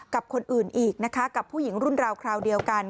กับคนอื่นอีกนะคะกับผู้หญิงรุ่นราวคราวเดียวกัน